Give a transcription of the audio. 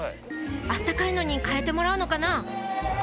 温かいのにかえてもらうのかな？